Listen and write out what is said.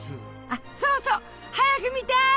あそうそう早く見たい！